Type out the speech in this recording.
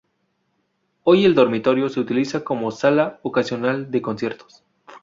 Hoy el dormitorio se utiliza como sala ocasional de conciertos.